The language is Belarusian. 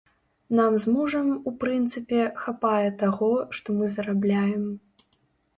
Нам з мужам, у прынцыпе, хапае таго, што мы зарабляем.